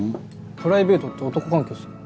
プライベートって男関係っすか？